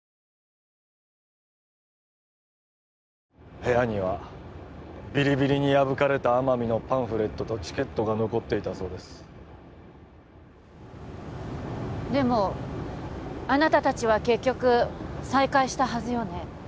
部屋にはビリビリに破かれた奄美のパンフレットとチケットが残っていたそうですでもあなた達は結局再会したはずよね？